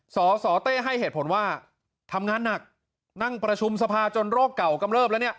สสเต้ให้เหตุผลว่าทำงานหนักนั่งประชุมสภาจนโรคเก่ากำเริบแล้วเนี่ย